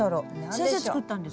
先生作ったんですか？